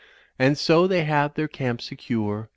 And so they have their camp secure.